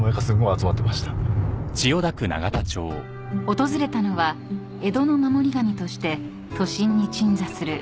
［訪れたのは江戸の守り神として都心に鎮座する］